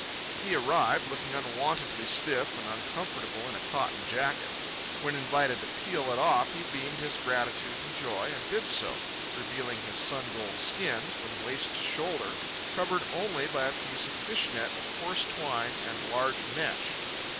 He arrived, looking unwontedly stiff and uncomfortable in a cotton jacket. When invited to peel it off, he beamed his gratitude and joy, and did so, revealing his sun gold skin, from waist to shoulder, covered only by a piece of fish net of coarse twine and large of mesh.